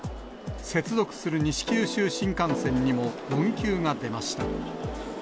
接続する西九州新幹線にも運休が出ました。